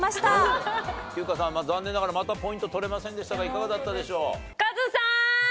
優香さん残念ながらまたポイント取れませんでしたがいかがだったでしょう？